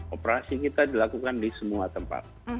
operasi kita dilakukan di semua tempat